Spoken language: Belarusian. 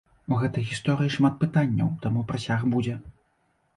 У гэтай гісторыі шмат пытанняў, таму працяг будзе.